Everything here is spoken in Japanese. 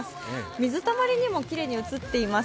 水たまりにもきれいに映っています。